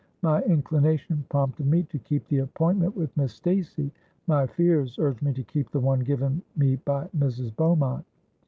My inclination prompted me to keep the appointment with Miss Stacey: my fears urged me to keep the one given me by Mrs. Beaumont.